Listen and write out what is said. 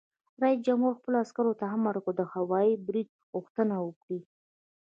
رئیس جمهور خپلو عسکرو ته امر وکړ؛ د هوايي برید غوښتنه وکړئ!